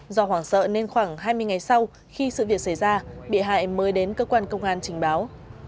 do hoảng sợ nên khoảng hai mươi ngày sau khi sự việc xảy ra bị hại mới đến cơ quan công an trình báo